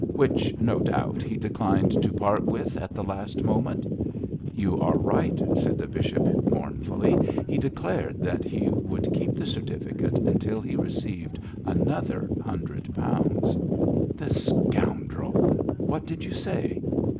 'Which, no doubt, he declined to part with at the last moment.' 'You are right,' said the bishop, mournfully; 'he declared that he would keep the certificate until he received another hundred pounds.' 'The scoundrel! What did you say?'